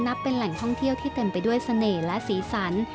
เป็นแหล่งท่องเที่ยวที่เต็มไปด้วยเสน่ห์และสีสัน